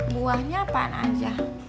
buahnya apaan aja